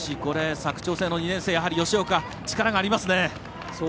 佐久長聖の２年生、吉岡力がありますね。